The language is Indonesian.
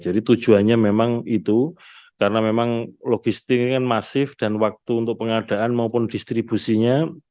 jadi tujuannya memang itu karena memang logistiknya kan masif dan waktu untuk pengadaan maupun distribusinya